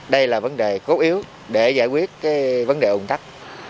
đây là vấn đề cốt yếu để giải quyết vấn đề ủng tắc